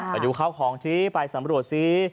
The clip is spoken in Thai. พายุเข้าของที่ไปสำรวจสิ